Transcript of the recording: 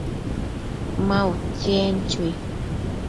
Ma utsi, en chui